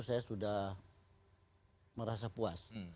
saya sudah merasa puas